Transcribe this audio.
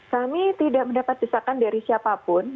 kami tidak mendapat desakan dari siapapun